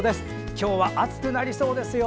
今日は暑くなりそうですよ。